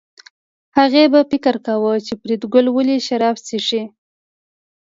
هغې به فکر کاوه چې فریدګل ولې شراب څښي